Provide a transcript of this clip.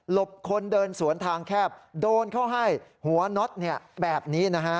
บคนเดินสวนทางแคบโดนเข้าให้หัวน็อตแบบนี้นะฮะ